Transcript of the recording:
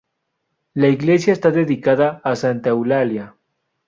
La iglesia está dedicada a santa Eulalia.